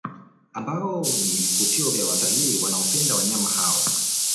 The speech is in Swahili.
Ambao ni Kivutio cha Watalii wanaopenda wanyama hao